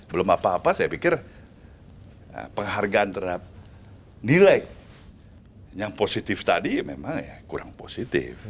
belum apa apa saya pikir penghargaan terhadap nilai yang positif tadi memang kurang positif